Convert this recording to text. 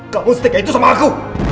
kamu setiknya itu sama aku